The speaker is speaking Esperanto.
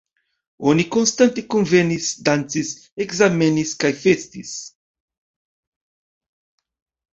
Oni konstante kunvenis, dancis, ekzamenis kaj festis.